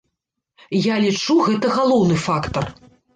Я лічу, гэта галоўны фактар.